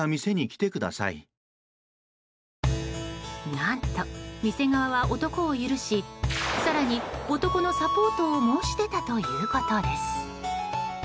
何と、店側は男を許し更に、男のサポートを申し出たということです。